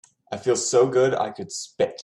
I feel so good I could spit.